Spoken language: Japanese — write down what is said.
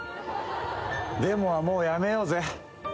でもはもうやめようぜ。